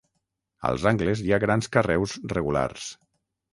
Als angles hi ha grans carreus regulars.